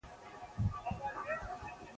نجلۍ زړوره ده.